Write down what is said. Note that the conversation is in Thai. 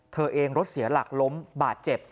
เธอเองรถเสียหลักล้มบาดเจ็บ